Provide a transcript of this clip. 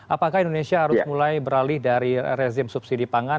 apakah indonesia harus mulai beralih dari rezim subsidi pangan